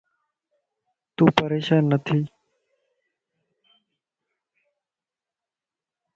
تون پريشان نٿي